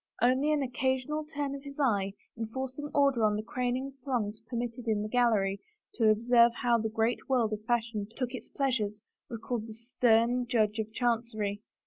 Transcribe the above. Only an occasional turn of his eye, enforcing order on the craning throngs permitted in the gallery to observe how the great world of fashion took its pleas ures, recalled the stem Judge of Chancery.